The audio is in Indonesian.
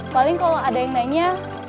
paling kalau ada yang nanya